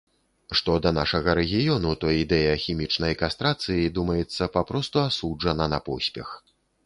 Што да нашага рэгіёну, то ідэя хімічнай кастрацыі, думаецца, папросту асуджана на поспех.